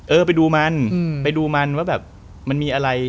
เออไปดูมันไปดูมันว่าแบบมันมีอะไร